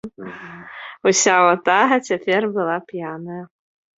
Уся ватага цяпер была п'яная.